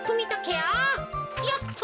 よっと。